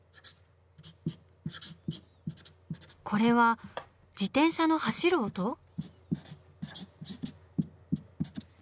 これは自転車の走る音？